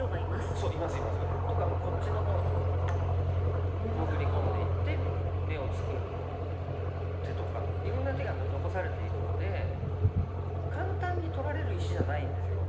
そういますいます。とかこっちの方に潜り込んでいって眼を作る手とかいろんな手が残されているので簡単に取られる石じゃないんですよ。